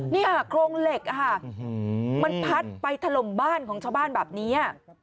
นี่โครงเหล็กมันพัดไปถล่มบ้านของชาวบ้านแบบนี้